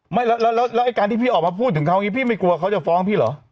ไม่แล้วไอ้การที่พี่ออกมาพูดถึงเขาอย่างนี้พี่ไม่กลัวเขาจะฟ้องพี่เหรอ